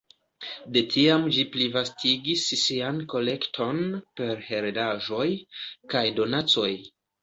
De tiam ĝi plivastigis sian kolekton per heredaĵoj kaj donacoj.